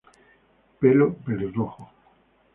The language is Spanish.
Pelo: pelirrojo.